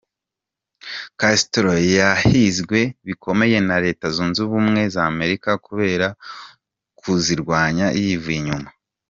Castro yahizwe bikomeye na Leta zunze ubumwe z’Amerika kubera kuzirwanya yivuye inyuma.